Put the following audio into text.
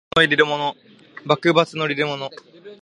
幕閣の利れ者